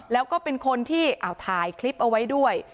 แล้วก็เป็นคนที่ถ่ายคลิปเอาไว้ด้วย